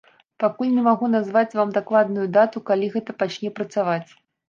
Пакуль не магу назваць вам дакладную дату, калі гэта пачне працаваць.